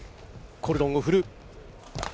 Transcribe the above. コルドンを振る。